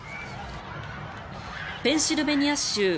ペンシルベニア州